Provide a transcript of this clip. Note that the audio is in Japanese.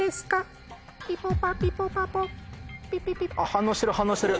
反応してる反応してる。